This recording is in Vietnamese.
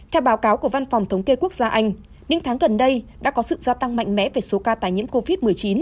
theo báo cáo của văn phòng thống kê quốc gia anh những tháng gần đây đã có sự gia tăng mạnh mẽ về số ca tài nhiễm covid một mươi chín